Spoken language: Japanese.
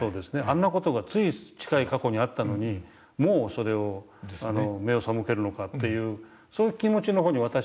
あんな事がつい近い過去にあったのにもうそれを目を背けるのかというそういう気持ちの方に私は行きがちなんですよね。